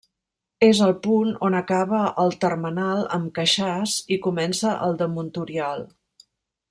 És el punt on acaba el termenal amb Queixàs i comença el de Montoriol.